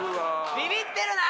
ビビってるな！